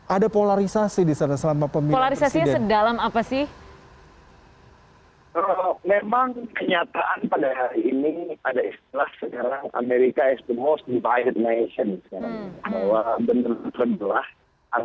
ada polarisasi di sana selama pemilihan presiden